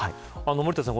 森田さん